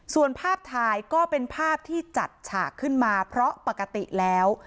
ส่วนภาพถ่ายก็เป็นภาพที่จัดฉากขึ้นมาเพราะปกติแล้ว